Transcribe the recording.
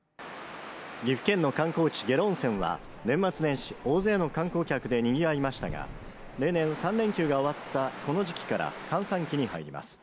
岐阜県の観光地下呂温泉は年末年始大勢の観光客でにぎわいましたが例年、３連休が終わったこの時期から閑散期に入ります